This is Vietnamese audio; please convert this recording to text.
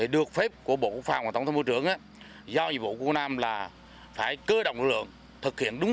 được phép của bộ quốc phòng và tổng thống bộ trưởng